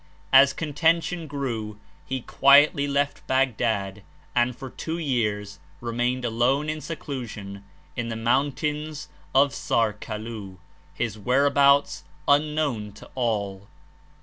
As contention grew, he quietly left Baghdad and for two years re mained alone in seclusion in the mountains of Sarkalu, his whereabouts unknown to all.